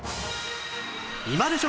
今でしょ！